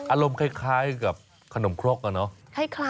อารมณ์คล้ายกับขนมครกอะเนาะ